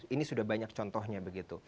ini sudah banyak contohnya